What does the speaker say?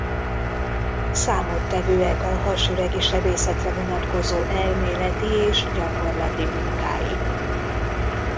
Számottevőek a hasüregi sebészetre vonatkozó elméleti és gyakorlati munkái.